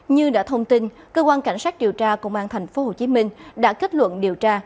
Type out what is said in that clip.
như đã thông tin cơ quan cảnh sát điều tra công an tp hcm đã kết luận điều tra